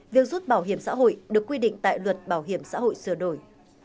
việc rút bảo hiểm xã hội được quy định tại luật bảo hiểm xã hội sửa đổi